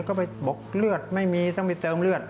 ก็ไปบอกเลือดไม่มีต้องไปเติมเลือด